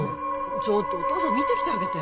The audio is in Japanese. ちょっとお父さん見てきてあげて・